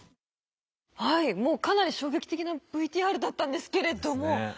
はいもうかなり衝撃的なＶＴＲだったんですけれども。